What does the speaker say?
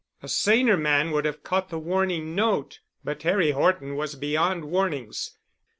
A saner man would have caught the warning note. But Harry Horton was beyond warnings.